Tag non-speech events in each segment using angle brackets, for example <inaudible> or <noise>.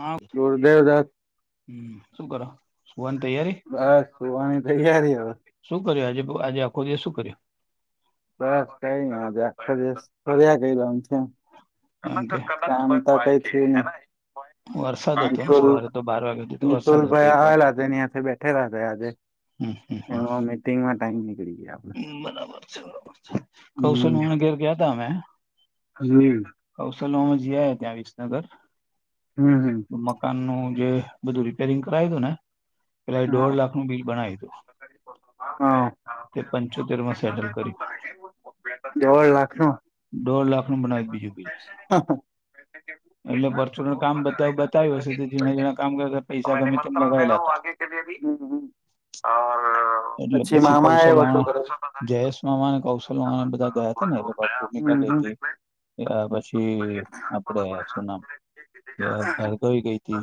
હા હલો દેવદાસ હમ શુ કરો વન તૈયારી પવાણી થેયારી હ શું કર્યું આજે આજે આખો દિવ શું કર્યું બસ કઈ નાજ આખ ફર્યા એમ કે આમ આ તો કઈ થિયું વરસાદ ની હતો ને મિતુલ સવારે તો બાર વાગ્યા સુધી તો મિતુલ વરસાદ હતો ભાઈ એક વાગે આવેલા છેનીથી બેઠેલા છે આજે હમ હમ હમ એમાં મીટિંગમાં ટાઈમ નીકળી ગયા આપડ બરાબર કૌશલ વાન ઘેર કયા ત મેં હડ <unintelligible> સલ જ ત્યાં વિસનગર હમ હમ હમ મકાન નું જે બધું રીપેરિંગ કરાયું હતું ને પેલા હા દોઢ લાખનુંું બિલ હા તે પંચોતેર માં સેટલ કરિ દોઢ લાખ નો દોઢ લાખ નું બનાવી બીજું બિલ વસા કે <unintelligible> એટલે પરચુ કામ બ બતાવ્યું હશે તો જીણા જીણા કામ કર પૈસા ગમે તેમ લગાવિ લેતા એટલે અચ્છી પછી મામાા એ કૌશલ વઢો મામા કર્યો તો જયેશ મામા કૌશલમા બધા ગયા હતા ને એટલે ભૂમિકા હમ ગ હમ પછી આપડે શું નામ ભરગઈ ગઈ હતી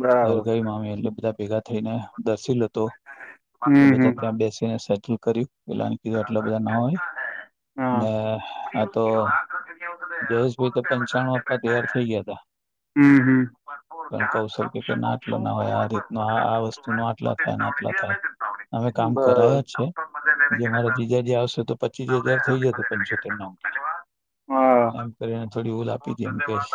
બરાબર હરગઈ મામી એટલે બધા ભેગા થઈને દર્શ લતો હમ એ હમ બધા હા ત્યાં બેસીને સેટલ કર્યું પેલાન કીધ એટલા બધા ના હોય ને આ તો જયેશભાઈ તો પંચાણું આપવા તૈયાર થઈ ગયા હતા હમ હમ પણ કૌશલ કે કે નાટલો ના હોય આ રીતનો આ આ વસ્તુ સૂ ન આટલા થાય નાટલા થાય અમે કામ બરાબર કરાયા છે પ મારા બીજા જે આવશે તો પચીસ હજાર થઇ જશે પંચસોતેર ના અંકે હા એમ કરીને થોડી ઓલ આપી દ એમ કેશ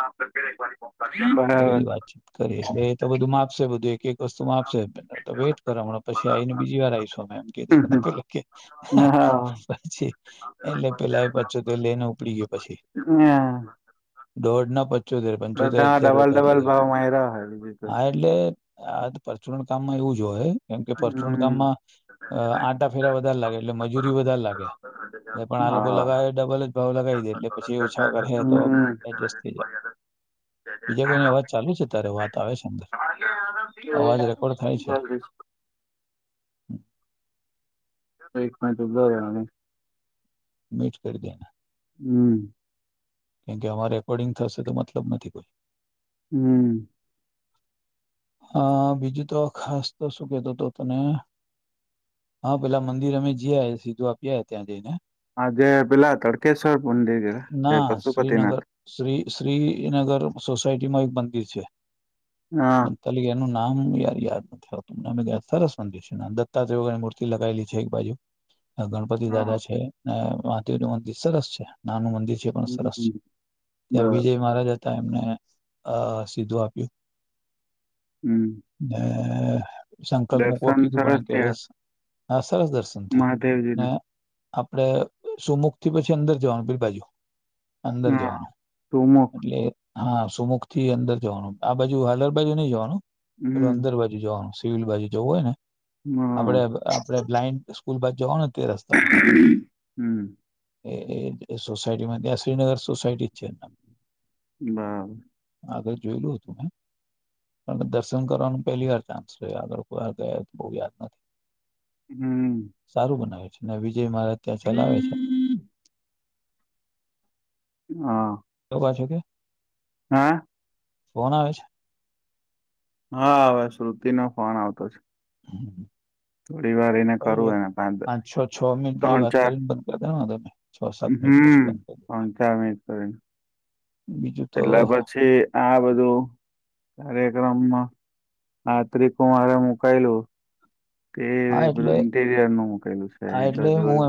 બરાબર તો હા બધી વાતચીત કરીએ એ તો બધું માપશે બધું એક એક વસ્તુ માપશે તો વેટ કરો ને બીજી વાર આવીશુંમે એમ કીધું હમ પે કે પછી એટલે પેલા. પછો તે લઈને ઉપડી ગયો પછી. હા! <unintelligible> પંચોતેર. પંચોતેર હાર વધારે લે ડબલ ભાવ માયરા હે બીજું હા તો એટલે આ પરચ. માં એવું જો હોય. કેમ કે હમ કામમાં અ આંટા ફેરા વધારે લાગે. એટલે મજૂરી વધારે લાગે. એ પણ આ લોકો હા લગાવે ડબલ જ ભાવ લગાવી દે. એટલે પછી ઓછા કરે તો હમ એડજસ્ટ થઈ જાય. <inaudible> બીજા કોઈની અવાજ ચાલુ છે. ત્યારે વાત આવે છે અંદર. અવાજ રેકોર્ડ થાય મીટંગ છે ચાલ. <inaudible> એક મિનટ ઉભો રહવાને. <unintelligible> હમ! કેમકે આમા રેકોર્ડિંગ થશે તો મતલબ નથી કોઈ. હમ! હા! બીજું તો ખાસ તો શું કતો હતો તને? હા! પેલા મંદિર અમે જ સીધું આપી ત્યાં જઈને. આજે પેલા તડકેશ્વર મંદિર ગયા એ ના. શ્રીનગર પશુપતિનાથ શ્રી શ્રીનગર. નગર સોસાયટીમાં એક મંદિર છે. હા <unintelligible> નામ યાર યાદ નથી. આવતુંમ સરસ મંદિર છે. દત્તાત્રેય ની મૂર્તિ લગાવેલી છે એક બાજુ. ગણપતિ હા દાદા છે. અને મહાદેવ નું મંદિર સરસ છે. નાનું મંદિર છે. પણ સરસ છે. હમ બ ત્યાં વિજય મહારાજ હતા. તમને સીધું આપ્યું. હમ! અ સંકલ્પ મૂકવા દર્શન કીધું સરસ પણ કે થયા હ. હા. સરસ દર્શન મહાદેવજીને થયા. આપડે સુમુખ થી પછી અંદર જવાનું બીલ બાજુ. અંદર હા જવાનું સુમુખ એટલે. હા, સુમુખ થી અંદર જવાનું. આ બાજુ હાલર બાજુ નઈ જવાનું, પેલું હમ અંદર બાજુ જવાનું છે. સલ બાજુ જવું હોય ને, હા આપડે આપડે બ્લાઇન્ડ સ્કૂલ બાજ જવાનું. તે રસ્તા પર. હમ એ સોસાયટી શ્રીનગર સોસાયટી. છે બરાબર આગળ જોઈલું હતું મેં. દર્શન કરવાનો પહેલી વાર ચાન્સ રહ્યો. આગળ કોઈ વાર ગયા તો બહુ યાદ નથી. હમ સારું બનાવે છે ને. જે મારા ત્યાં ચલાવે છે. હા પાછું કે. હા! ફોન આવે છે? હા હવે શ્રુતિ નો ફોન આવતો છે. થોડી વાર એને કરું એક એને દ- પાંચ છોછો મિનિટ જેવી ત્રણ વાત ચાર કરીને બંધ કર કંઈ વાંધો ની. હમ! પંચાવમી રહીને. બીજું તો એટલે પછી આ બધું તારે ક્રમમાં આત્રિકુમારે મુકાયેલું. તે હા એટલે બધું ઇન્ટીરિયર નું મૂકેલું છે. જો જોય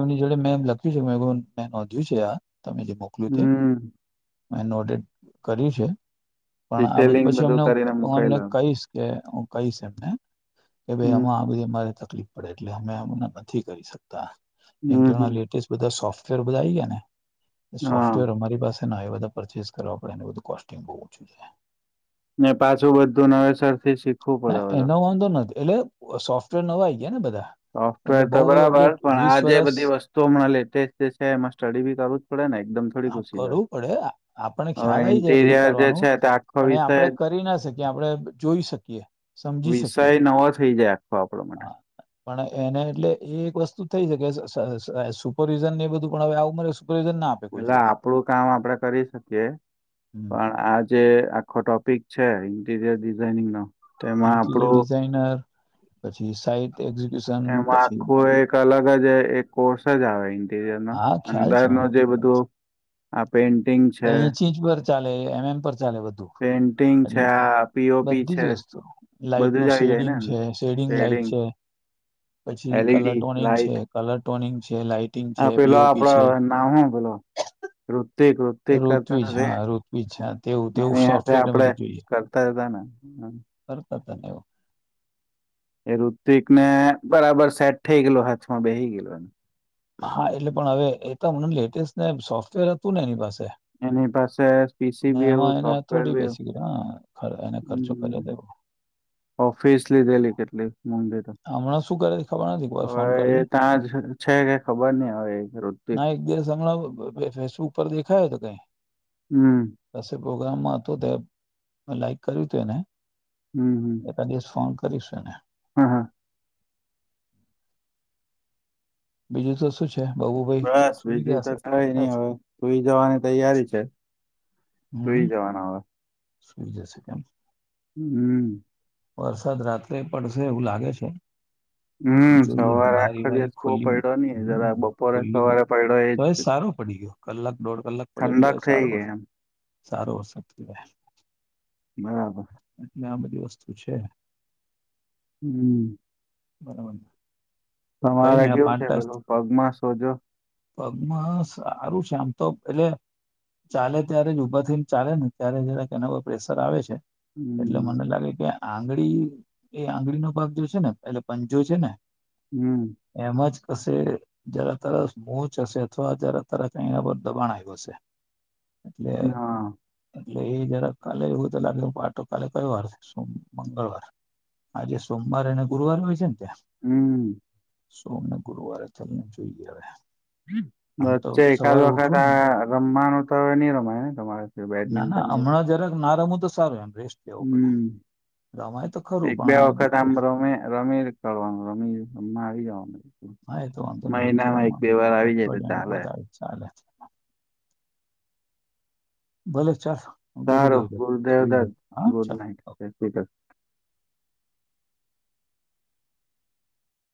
મે મે નોંધ્યું છે? તમે જે મોકલ્યું તે. હમ મે નોડિટ કર્યું છે. પણ આ બધું ડિટેલિંગ પછી એમને કરીને હું એમને મુકાયેલો કહીશ કે હું કહીશ એમને. કે ભાઈ હમ આમાં આ બધી અમારે તકલીફ પડે એટલે અમે હમણાં નથી કરી શકતા. કેમ કે હમ એમાં હમ લેટેસ્ટ બધા સોફ્ટવેર બધા આવી ગયા ને હા સોફ્ટવેર અમારી પાસે ના એ બધા પરચેસ કરવા પડે એને બધું કોસ્ટિંગ બહું ઓછું ને. ને પાછું બધું નવેસર થી શીખવું ના પડે અવેતો. એનો વાંધો નથી એટલે સોફ્ટવેર નવાઈ ગયા ને બધા. સોફ્ટવેર એટલે તો બહુ બધું બરાબર અપડેટ પણ આ વીસ જે વર્ષ બધી વસ્તુ અમણાં લેટેસ્ટ જે છે એમાં સ્ટડી બી કરવું જ પડે ને એકદમ થોડી હા ઘુસી જાય. કરવું પડે આ આપણને અવે ખ્યાલ આવી જાય બધું ઇન્ટીરિયર જે કરવાનું છે તે આખો પણ એ વિષય આપણે કરી ના શકીએ આપણે જોઈ શકીએ સમજી વિષય શકીએ નવો થઈ જાય આખો આપણા માટે. હા પણ એને એટલે એ એક વસ્તુ થઈ <unintelligible> સુપરવિઝન ને એ બધું પણ અવે આ ઉંમરે સુપરવિઝન ના આપે કોઈ એટલે જલ્દી આપડું કામ આપડે કરી શકીએ. હમ પણ આજે આખો ટોપિક છે ઇન્ટીરિયર ડિઝાઇનનો ઇન્ટીરિયર ડિઝાઇનર પછી સાઈટ એક્ઝી એમાં આખું એક અલગ જ એક કોર્સ જ આવે ઇન્ટિરિયરનો હા ખ્યાલ અંદર છે નો મને જે ખ્યાલ છે. બધું આ પેન્ટિંગ તો છે. ઇંચ ઇંચ પર ચાલે એમ એમ પર ચાલે બધું પેઇન્ટિંગ છે એટલે આ પીઓપી બધી જ છે વસ્તુ લાઈટ બધું નું જ આવી જાય શેડિંગ ને છે અંદર શેડિં લાઈટ શેડિંગ છે પછી કલર એલઈડી ટોનિંગ છે, લાઈટ કલર ટોનિંગ છે, લાઈટિંગ છે. આ પેલો પીઓપી આપડો છે નામ હું પેલો ઋતિક રુતિક કરને ઋત્વીજ રે હા ઋત્વીજ હા તેવું તેવું એની હાથે સોફ્ટવેર ને આપડે બધું જોઈએ કરતા જ હતા ને. <inaudible> એ ઋતિક ને બરાબર સેટ થઈ ગયેલું, હાથમાં બેહી ગયેલું હા એટલે પણ અવે એત એમને લેટેસ્ટને સોફ્ટવેર હતું ને એની પાસે એની પાસે પીસી ને બી એવું એમાં એને સોફ્ટવેર થોડી બી એવ બેસી હા એને હતું ખર્ચો કર્યો હમ. હતો <inaudible> ઓફિસ લીધેલી કેટલી મોઘી તો. હમણાં શું કરે ખબર નથી એકવાર અવે ફોન એ કરી તાજ છે કે ખબર નઈ હવે એ ઋતિક ના એક દિવસ અમણાં ફેસબુક પર દેખાય તો કઈ હમ. પાસે પ્રોગ્રામમાં હતો તે લાઈક કર્યું તેને હમ હમ બે ત્રણ દિવસ ફોન ક રીશ એને. હા હા. બીજું તો શું છે? બાબુભાઈ બસ સુઈ બીજું ગયા તો છે કઈ લાગતા ની છે અવે સુઈ જવાની તૈયારી છે. હમ સુઈ જવાના અવે. સુઈ જશે કેમ. હમ. વરસાદ રાત્રે પડશે એવું લાગે છે. <inaudible> હમ જોઈએ સવારે બારી આખો બારી દિવસ કો ખુલ્લી મૂક પયડો ની જરા હમ બપોરે સવારે પયડો એજ ગીયો કલાક દોઢ કલાક પડ્યો એટલે ઠંડક થઈ સારો ગઈ એમ સારો હ બરાબર. શું છે. હમ. બરાબર. કઈ તમારે નઈ આ કેવું પાંચ છે ટાસ બધું પગમાં સોજો. પગમાં સારું છે આમ તો એટલે ચાલે ત્યારે જ ઊભા થીઈ ચાલે ને ત્યારે જરાક એના ઉપર પ્રેશર આવે છે. એટલે હમ મને લાગે આંગળી એ આંગળીનો ભાગ જો છે ને એટલે પંજો છે ને હમ. હશે જરા તરસ મોચ હશે અથવા જરા તરસ એના પર દબાણ આવ્યું હશે એટલે હા એટલે એ જરા કાલે એવું તો લાગે પાટો કાલે કયો વાર છે સમ મંગળવાર આજે સોમવાર અને ગુરુવાર હોય છે ને હમ સોમને ગુરુવારે તમને જોઈએ હવે આમ તો વચ્ચે એકાદ સવારે વખત ઉઠું ને આ રમવાનું તો હવે નહી રમાય ને તમારે ના બેડમિન્ટન ના હમણાં જરાક ના રમું તો સારું એમ રેસ્ટ લેવો પડે હમ રમાય તો ખરું એક પણ બે આ વખત દુખે આમ રમે રમીકળવાનું રમીરમાં આવી જવાનું હા એ તો વાંધો નહી વચ્ચે મહિનામાં એક બે રમવાનું વાર આવી જાય અઠો તો જણ ચાલે બધા ચાલે <inaudible> ભલો ચાલ સારું ગુરુદેવ સુઈ ગ દત્ત હ ગુડ હચ્છા નાઈટ જય શ્રી કૃષ્ણ